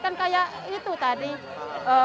kan kayak itu tadi orang yang lari antusias